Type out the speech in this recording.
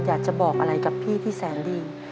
อยากจะบอกอะไรกับพี่ที่แสนดี